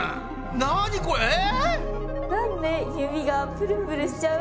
何これえ！